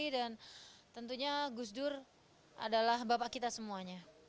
dan tentunya gus dur adalah bapak kita semuanya